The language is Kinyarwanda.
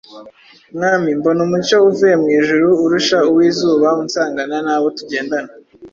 Mwami, mbona umucyo uvuye mu ijuru, urusha uw’izuba, unsangana n’abo tugendana.